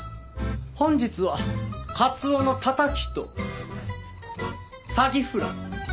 本日はカツオのたたきとサギフライ。